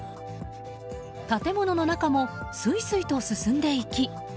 建物の中もすいすいと進んでいき